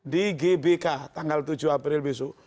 di gbk tanggal tujuh april besok